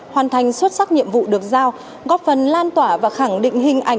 hoàn thành xuất sắc nhiệm vụ được giao góp phần lan tỏa và khẳng định hình ảnh